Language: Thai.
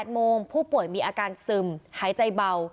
โมงผู้ป่วยมีอาการซึมหายใจเบา